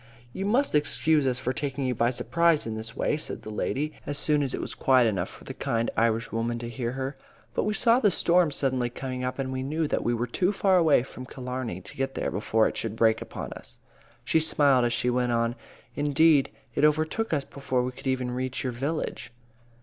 "You must excuse us for taking you by surprise in this way," said the lady, as soon as it was quiet enough for the kind Irishwoman to hear her, "but we saw the storm suddenly coming up, and we knew we were too far from Killarney to get there before it should break upon us." She smiled as she went on, "Indeed, it overtook us before we could even reach your village."